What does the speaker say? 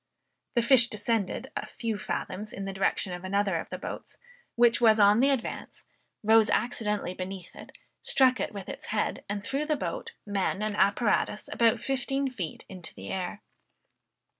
The fish descended a few fathoms in the direction of another of the boats, which was on the advance, rose accidentally beneath it, struck it with its head, and threw the boat, men, and apparatus about fifteen feet into the air.